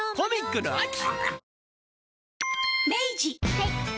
はい。